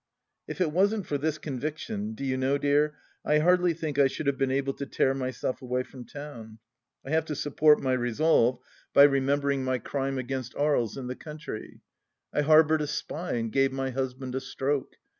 If it wasn't for this conviction, do you know, dear, I hardly think I should have been able to tear myself away from town. I have to support my resolve by remembering 166 THE LAST DITCH 167 my crime against AiJes and the country. I harboured a spy and gave my husband a stroke.